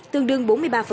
tương đương bốn mươi ba